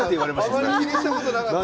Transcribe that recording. あまり気にしたことなかった。